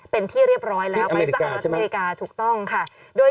เป็นที่เรียบร้อยแล้วอเมริกาใช่ไหมอเมริกาถูกต้องค่ะโดย